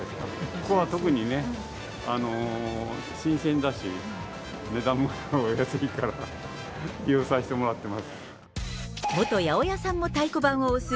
ここは特にね、新鮮だし、値段も安いから、利用させてもらってます。